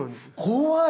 怖い。